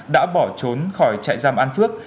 đã bỏ trốn khỏi trại giam an phước